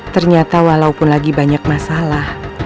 ternyata walaupun lagi banyak masalah